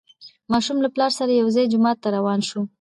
ماشوم له پلار سره یو ځای جومات ته روان شو